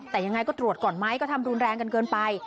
แต่ยังไงก็ตรวจก่อนไหมก็ทำรุนแรงกันเกินไป